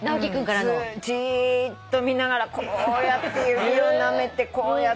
だってじーっと見ながらこうやって指をなめてこうやって。